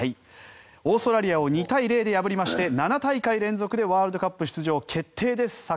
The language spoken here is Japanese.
オーストラリアを２対０で破りまして７大会連続でワールドカップ出場決定です